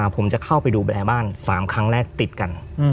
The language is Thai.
ผมจะเข้าไปดูแลบ้าน๓ครั้งแรกติดกัน